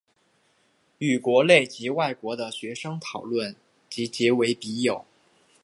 与国内及外国的学生讨论及结为笔友。